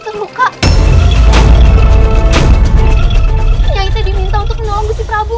tidak mungkin terkena prabu